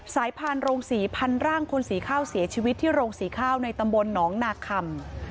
พานโรงศรีพันร่างคนสีข้าวเสียชีวิตที่โรงสีข้าวในตำบลหนองนาคำ